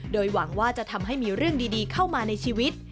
โดยหวังว่าจะทำให้มีเรื่องดีเข้ามาในชีวิต